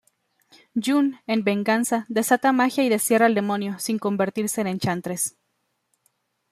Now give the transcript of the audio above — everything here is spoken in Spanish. June, en venganza, desata magia y destierra al demonio, sin convertirse en Enchantress.